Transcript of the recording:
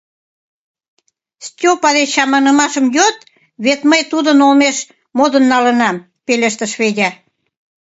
— Стёпа деч чаманымашым йод, вет мый тудын олмеш модын налынам, — пелештыш Федя.